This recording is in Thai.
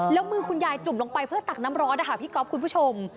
แล้วมือคุณยายจุ่มลงไปเพื่อตักน้ำร้อนนะคะพี่ก๊อฟคุณผู้ชม